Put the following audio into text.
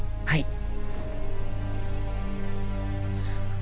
はい。